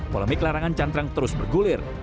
polemik larangan cantrang terus bergulir